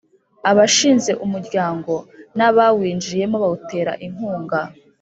Abashinze umuryango n ‘abawinjiyemo bawutera inkunga.